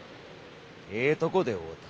ええとこで会うた。